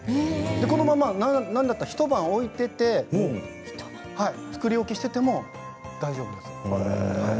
このまま何だったら一晩置いておいて作り置きしておいても大丈夫なんです。